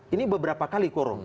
ini beberapa kali kurung